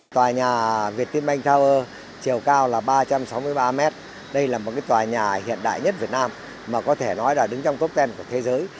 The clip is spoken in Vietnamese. tòa nhà việt tiên banh tower chiều cao là ba trăm sáu mươi ba m đây là một cái tòa nhà hiện đại nhất việt nam mà có thể nói là đứng trong top một mươi của thế giới